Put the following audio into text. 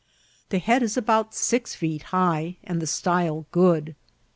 The head is about six feet high, and the style good.